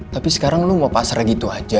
tapi sekarang lo mau pasarnya gitu aja